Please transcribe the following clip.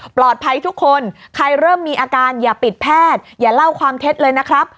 ทุกคนใครเริ่มมีอาการอย่าปิดแพทย์อย่าเล่าความเท็จเลยนะครับ